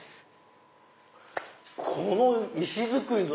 この石造りの。